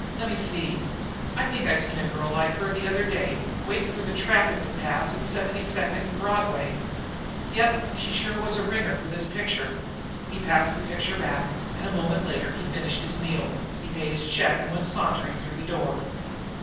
Lemme see. I think I seen a girl like her the other day, waiting for the traffic to pass at Seventy second and Broadway. Yep, she sure was a ringer for this picture." He passed the picture back, and a moment later he finished his meal, paid his check and went sauntering through the door.